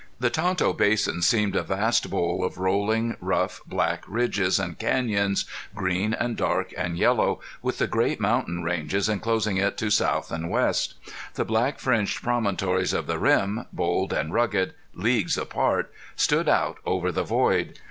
The Tonto Basin seemed a vast bowl of rolling, rough, black ridges and canyons, green and dark and yellow, with the great mountain ranges enclosing it to south and west. The black fringed promontories of the rim, bold and rugged, leagues apart, stood out over the void.